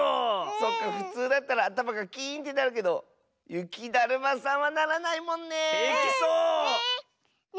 そっかふつうだったらあたまがキーンってなるけどゆきだるまさんはならないもんね！